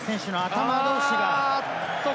頭同士が。